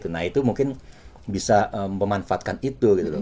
nah itu mungkin bisa memanfaatkan itu